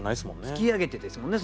「突き上げて」ですもんね